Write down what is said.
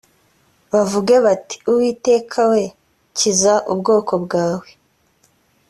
bavuge bati uwiteka we kiza ubwoko bwawe